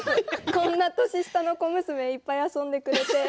こんな年下の小娘といっぱい遊んでくれて。